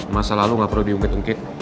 masa lalu nggak perlu diungkit ungkit